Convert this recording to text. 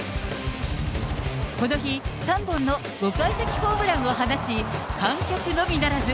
この日、３本の５階席ホームランを放ち、観客のみならず、